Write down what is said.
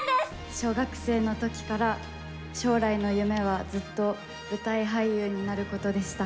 小学生のときから、将来の夢はずっと、舞台俳優になることでした。